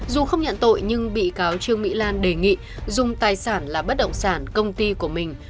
dù không nhận tội nhưng bị cáo trương mỹ lan đề nghị dùng tài sản là bất động sản công ty của mình